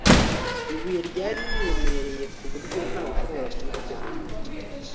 ibuye ryari riremereye kuburyo ntawushobora kuriterura